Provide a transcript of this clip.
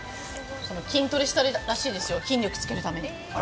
筋トレしたらしいですよ、筋肉つけるために。